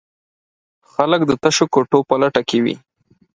خلک د تشو کوټو په لټه کې وي.